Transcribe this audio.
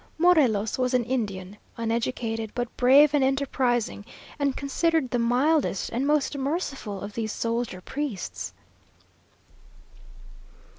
Morelos was an Indian, uneducated, but brave and enterprising, and considered the mildest and most merciful of these soldier priests!